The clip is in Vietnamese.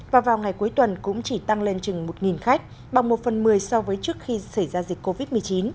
và vào ngày cuối tuần cũng chỉ tăng lên chừng một khách bằng một phần một mươi so với trước khi xảy ra dịch covid một mươi chín